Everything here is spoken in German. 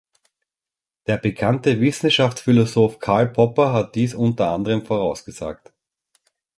Der bekannte Wissenschaftsphilosoph Karl Popper hat dies unter anderem vorausgesagt.